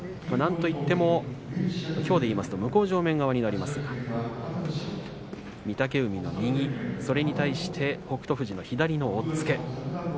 なんといってもきょうでいいますと向正面側になりますが御嶽海の右、それに対して北勝富士の左の押っつけ。